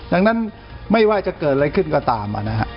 ดังนั้นไม่ว่าจะเกิดอะไรขึ้นก็ตามนะฮะ